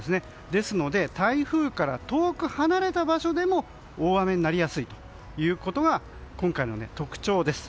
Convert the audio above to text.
ですので台風から遠く離れた場所でも大雨になりやすいということが今回の特徴です。